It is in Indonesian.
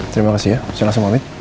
terima kasih ya saya langsung ambil